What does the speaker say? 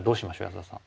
安田さん。